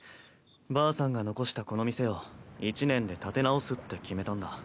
ばあさんが残したこの店を１年で立て直すって決めたんだ。